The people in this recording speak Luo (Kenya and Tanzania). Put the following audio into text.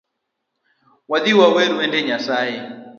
Wadhi wawer wende Nyasaye